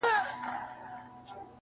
• په دې کورکي رنګ په رنګ وه سامانونه -